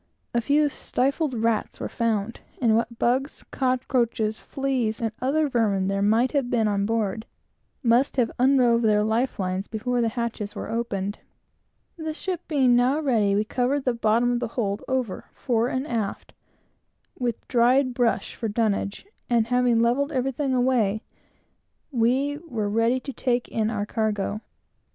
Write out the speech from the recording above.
A few stifled rats were found; and what bugs, cockroaches, fleas, and other vermin, there might have been on board, must have unrove their life lines before the hatches were opened. The ship being now ready, we covered the bottom of the hold over, fore and aft, with dried brush for dunnage, and having levelled everything away, we were ready to take in our cargo.